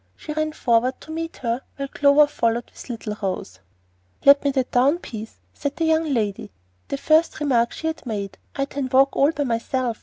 She ran forward to meet her while Clover followed with little Rose. "Let me det down, pease," said that young lady, the first remark she had made. "I tan walk all by myself.